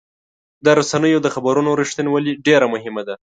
د رسنیو د خبرونو رښتینولي ډېر مهمه ده.